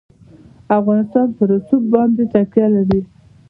افغانستان په رسوب باندې تکیه لري.